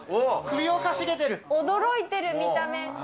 驚いてる、見た目。